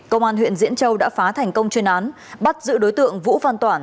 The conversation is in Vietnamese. công an huyện diễn châu đã phá thành công chuyên án bắt giữ đối tượng vũ văn toản